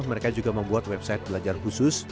mereka juga membuat website belajar khusus